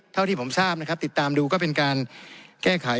เท่าที่ผมทราบนะครับติดตามดูก็เป็นการแก้ไข